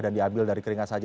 dan diambil dari keringat saja